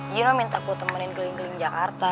gino minta ku temenin geling geling jakarta